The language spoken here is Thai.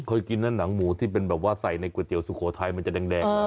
เคยกินนั่นหนังหมูที่เป็นใสในก๋วยเตี๋ยวสุโขทายมันจะแดง